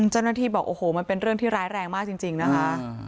เจ้าหน้าที่บอกโอ้โหมันเป็นเรื่องที่ร้ายแรงมากจริงนะคะ